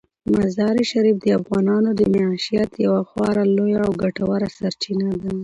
مزارشریف د افغانانو د معیشت یوه خورا لویه او ګټوره سرچینه ده.